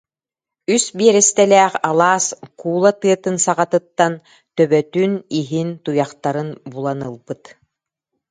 үс биэрэстэлээх алаас куула тыатын саҕатыттан төбөтүн, иһин, туйахтарын булан ылбыт